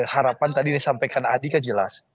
harapan tadi disampaikan adi kan jelas